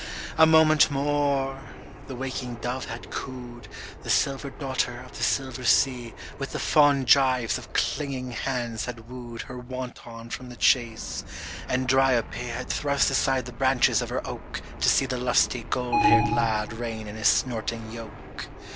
A moment more, the waking dove had cooed, _^The silver daughter of the silver sea With the fond gyves of clinging hands had wooed Her wanton from the chase, and Dryope Had thrust aside the branches of her oak To see the lusty gold haired lad rein in his snorting yoke.